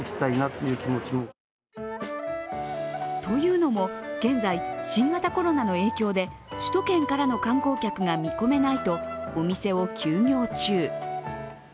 というのも、現在、新型コロナの影響で首都圏からの観光客が見込めないとお店を休業中。